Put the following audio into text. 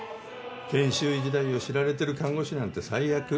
研修医時代を知られてる看護師なんて最悪。